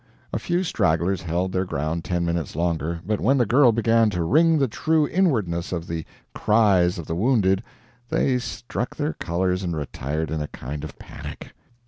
A few stragglers held their ground ten minutes longer, but when the girl began to wring the true inwardness out of the "cries of the wounded," they struck their colors and retired in a kind of panic.